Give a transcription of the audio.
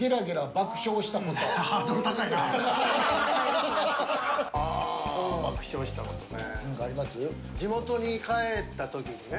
爆笑したことね。